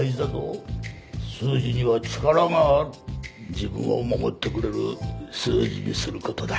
自分を守ってくれる数字にすることだ。